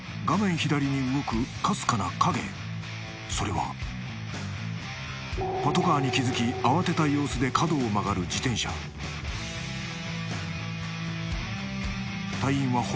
左に動くかすかな影それはパトカーに気付き慌てた様子で角を曲がる自転車隊員はほんの一瞬で